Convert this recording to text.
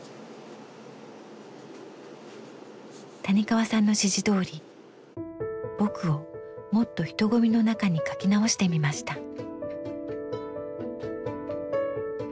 谷川さんの指示どおり「ぼく」をもっと人混みの中に描き直してみました。